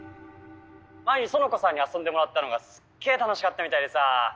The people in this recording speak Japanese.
前に苑子さんに遊んでもらったのがすっげえ楽しかったみたいでさ。